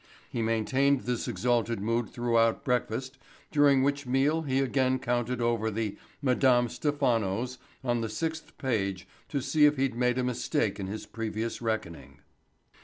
He maintained this exalted mood throughout breakfast during which meal he again counted over the "Madame Stephanos" on the sixth page to see if he'd made a mistake in his previous reckoning.